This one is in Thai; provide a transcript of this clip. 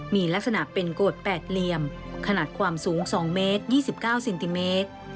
มีลักษณะเป็นโกรธ๘เหลี่ยมขนาดความสูง๒เมตร๒๙เซนติเมตร